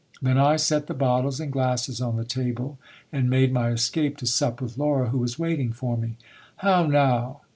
Then I set the bottles and glasses on the table, and made my escape to sup with Laura, who was waiting for me. How now